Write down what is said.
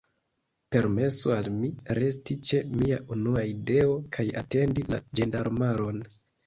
Permesu al mi, resti ĉe mia unua ideo, kaj atendi la ĝendarmaron.